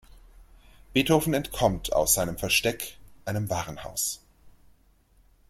Beethoven entkommt aus seinem Versteck, einem Warenhaus.